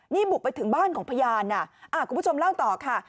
นี่บุกไปถึงบ้านของพยานคุณผู้ชมเล่าต่อค่ะ